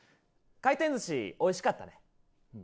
回転寿司おいしかったね。